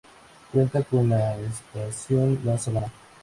Cuenta con la Estación La Sabana.